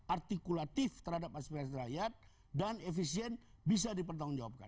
artikulatif terhadap aspirasi rakyat dan efisien bisa dipertanggungjawabkan